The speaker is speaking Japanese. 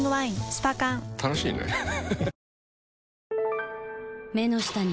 スパ缶楽しいねハハハ